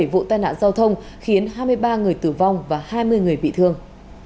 ba mươi bảy vụ tai nạn giao thông khiến hai mươi ba người tử vong và hai mươi người bị thương